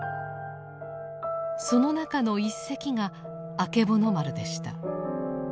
その中の１隻があけぼの丸でした。